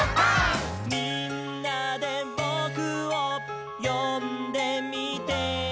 「みんなでぼくをよんでみて」